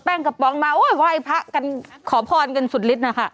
กระป๋องมาโอ้ยไหว้พระกันขอพรกันสุดฤทธินะคะ